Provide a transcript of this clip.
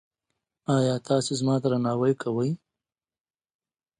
ایا تاسو زما درناوی کوئ؟